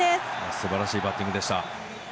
素晴らしいバッティングでした。